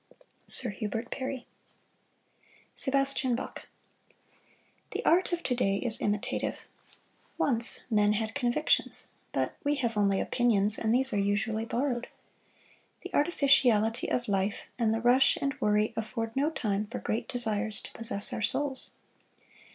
Sir Hubert Parry SEBASTIAN BACH The art of today is imitative. Once men had convictions, but we have only opinions, and these are usually borrowed. The artificiality of life, and the rush and the worry afford no time for great desires to possess our souls.